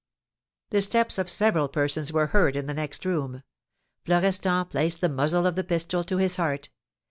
The steps of several persons were heard in the next room. Florestan placed the muzzle of the pistol to his heart.